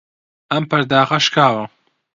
ئەم پەرداخە شکاوە.